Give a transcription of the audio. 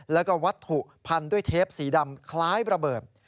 แล้วก็วัตถุพันด้วยเทปสีดำคล้ายระเบิด